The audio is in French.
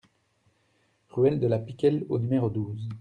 Ruelle de la Piquelle au numéro douze